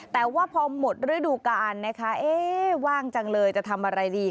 แต่ว่าพอหมดฤดูกาลนะคะว่างจังเลยจะทำอะไรดี